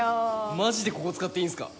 マジでここ使っていいんすか？